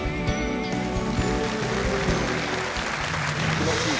気持ちいい。